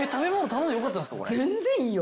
全然いいよ。